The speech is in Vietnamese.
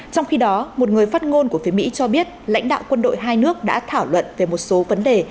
trong khi đó một người phát ngôn của phía mỹ cho biết lãnh đạo quân đội hai nước đã thảo luận về một số vấn đề